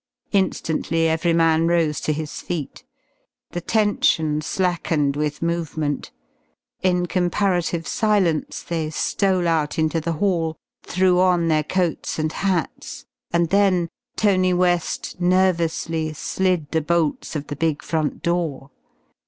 Instantly every man rose to his feet. The tension slackened with movement. In comparative silence they stole out into the hall, threw on their coats and hats, and then Tony West nervously slid the bolts of the big front door.